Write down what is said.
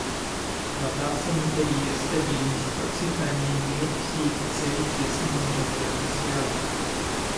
Вода, санитария, стабильность, процветание и мир — все эти цели тесно и неразрывно связаны.